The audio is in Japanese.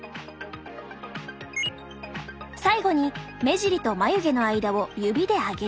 最後に目尻と眉毛の間を指で上げる。